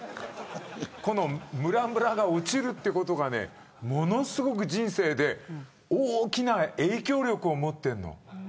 この、むらむらが落ちるということがものすごく人生で大きな影響力を持っているの。